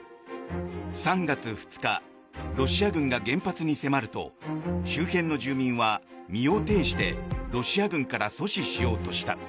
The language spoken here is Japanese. ３月２日、ロシア軍が原発に迫ると周辺の住民は身を挺してロシア軍から阻止しようとした。